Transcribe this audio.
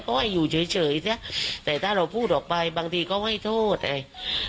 ก็ให้อยู่เฉยซะแต่ถ้าเราพูดออกไปบางทีก็ให้โทษไอ้